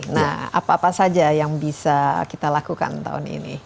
nah apa apa saja yang bisa kita lakukan tahun ini